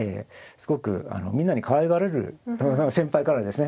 すごくみんなにかわいがられる先輩からですね